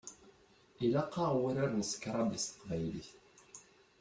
Ilaq-aɣ wurar n scrabble s teqbaylit.